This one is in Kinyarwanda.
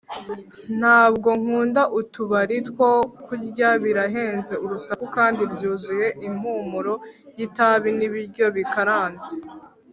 Ntabwo nkunda utubari two kurya Birahenze urusaku kandi byuzuye impumuro yitabi nibiryo bikaranze